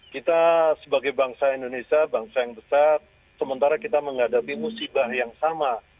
kita sebagai bangsa indonesia bangsa yang besar sementara kita menghadapi musibah yang sama